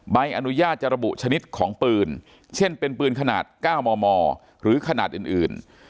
ใบอนุญาตจะระบุชนิดของปืนเช่นเป็นปืนขนาด๙มมหรือขนาดอื่น